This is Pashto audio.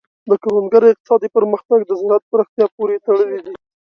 د کروندګر اقتصادي پرمختګ د زراعت پراختیا پورې تړلی دی.